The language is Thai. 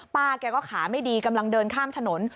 ป้าแกก็ขาไม่ดีกำลังเดินข้ามถนน